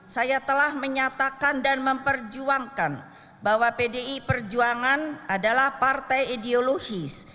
saya telah menyatakan dan memperjuangkan bahwa pdi perjuangan adalah partai ideologis